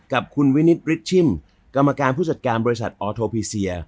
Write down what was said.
กับคุณวินิตริชชิมกรรมการผู้จัดการบริษัทออโทพีเซีย